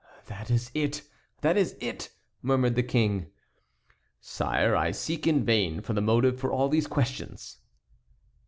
"That is it! that is it!" murmured the King. "Sire, I seek in vain for the motive for all these questions."